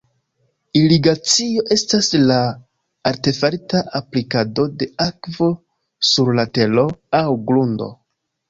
Irigacio estas la artefarita aplikado de akvo sur la tero aŭ grundo.